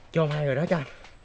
cho hai người đó cho